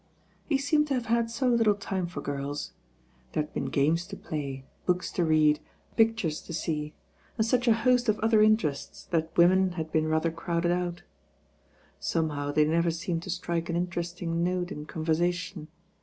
He seemed to have had so little time for girls. There hac* been games to play, books to read, pic tures to s( , and such a host of other interests that women had been rather crowded out. Somehow they never seemed to strike an interesting note in conversation.